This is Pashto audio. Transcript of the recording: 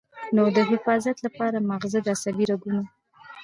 نو د حفاظت له پاره مازغۀ د عصبي رګونو